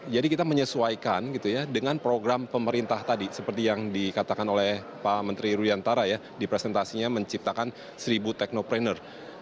jadi kita menyesuaikan gitu ya dengan program pemerintah tadi seperti yang dikatakan oleh pak menteri ruyantara ya di presentasinya menciptakan seribu teknopreneur